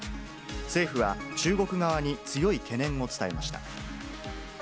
政府は、中国側に強い懸念を伝えました。